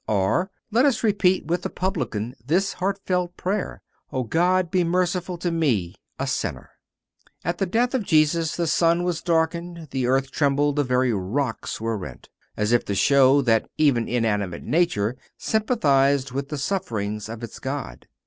Or let us repeat with the publican this heartfelt prayer: "O God, be merciful to me a sinner." At the death of Jesus the sun was darkened, the earth trembled, the very rocks were rent, as if to show that even inanimate nature sympathized with the sufferings of its God.